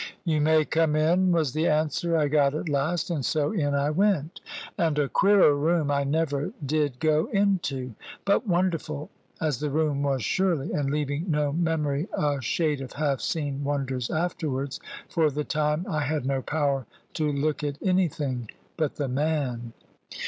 "You may come in," was the answer I got at last; and so in I went; and a queerer room I never did go into. But wonderful as the room was surely, and leaving on memory a shade of half seen wonders afterwards, for the time I had no power to look at anything but the man.